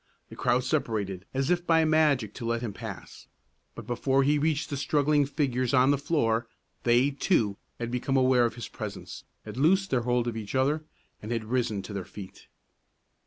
The crowd separated as if by magic to let him pass; but before he reached the struggling figures on the floor, they, too, had become aware of his presence, had loosed their hold of each other, and had risen to their feet.